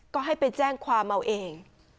ก็ให้ไปแจ้งความเอาเอง